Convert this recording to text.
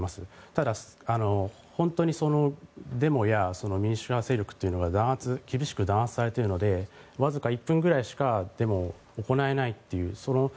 ただ、本当にデモや民主派勢力というのが弾圧、厳しく弾圧されているのでわずか１分ぐらいしかデモを行えないという。